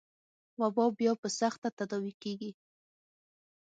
وبا بيا په سخته تداوي کېږي.